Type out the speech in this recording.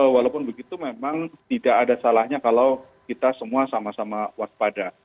walaupun begitu memang tidak ada salahnya kalau kita semua sama sama waspada